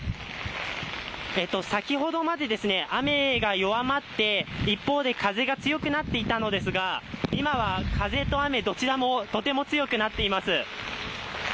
先ほどまで雨が弱まって一方で、風が強くなっていたのですが、今は風と雨どちらもとても強くなっています。